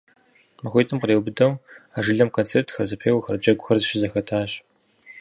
Махуитӏым къриубыдэу а жылэм концертхэр, зэпеуэхэр, джэгухэр щызэхэтащ.